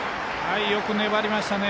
よく粘りましたね。